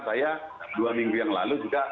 saya dua minggu yang lalu juga